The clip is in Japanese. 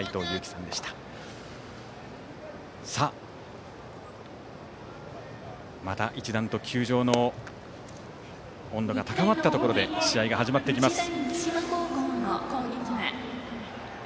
さあ、また一段と球場の温度が高まったところで試合が始まってきます。